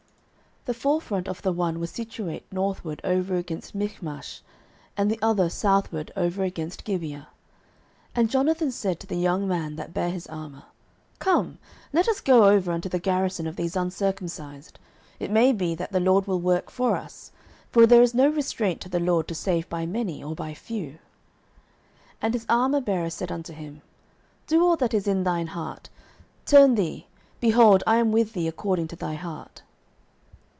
09:014:005 The forefront of the one was situate northward over against Michmash, and the other southward over against Gibeah. 09:014:006 And Jonathan said to the young man that bare his armour, Come, and let us go over unto the garrison of these uncircumcised: it may be that the LORD will work for us: for there is no restraint to the LORD to save by many or by few. 09:014:007 And his armourbearer said unto him, Do all that is in thine heart: turn thee; behold, I am with thee according to thy heart.